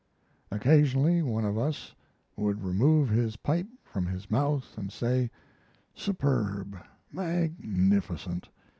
Occasionally one of us would remove his pipe from his mouth and say, "Superb, magnificent!